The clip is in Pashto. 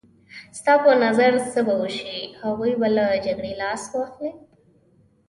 ستا په نظر څه به وشي؟ هغوی به له جګړې لاس واخلي.